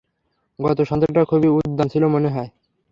গত সন্ধ্যাটা খুবই উদ্দাম ছিল মনে হয়।